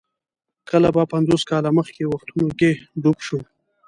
کله به پنځوس کاله مخکې وختونو کې ډوب شو.